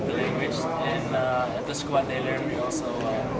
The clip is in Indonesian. jadi saat saya pulang saya akan belajar beberapa kata kata bahasa indonesia